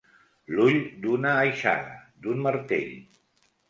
L'ull d'una aixada, d'un martell.